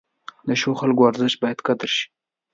د ښو خلکو ارزښت باید قدر شي.